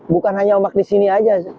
bukan hanya ombak di sini aja